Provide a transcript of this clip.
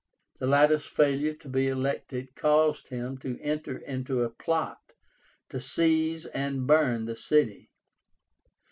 The latter's failure to be elected caused him to enter into a plot to seize and burn the city.